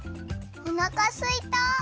おなかすいた。